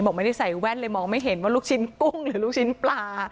ไม่ได้ใส่แว่นเลยมองไม่เห็นว่าลูกชิ้นกุ้งหรือลูกชิ้นปลา